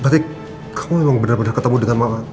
berarti kamu emang bener bener ketemu dengan mama